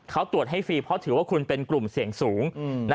เขาตรวจให้ฟรีเพราะถือว่าคุณเป็นกลุ่มเสี่ยงสูง